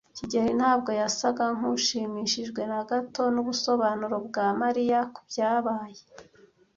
kigeli ntabwo yasaga nkushimishijwe na gato nubusobanuro bwa Mariya kubyabaye.